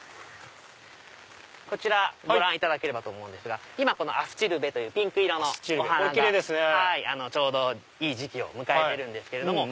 こちらご覧いただければと思うんですが今アスチルベというピンク色のお花がちょうどいい時期を迎えてるんですけれども。